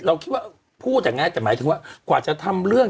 เราคิดว่าพูดอย่างนั้นแต่หมายถึงว่ากว่าจะทำเรื่อง